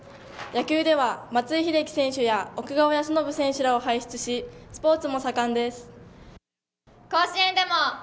野球では、松井秀喜選手や奥川恭伸選手らを輩出しスポーツも盛んです。